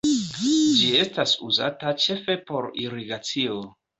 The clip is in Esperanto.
Ĝi estas uzata ĉefe por irigacio.